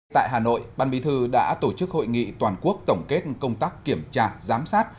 tại hà nội ban bí thư đã tổ chức hội nghị toàn quốc tổng kết công tác kiểm tra giám sát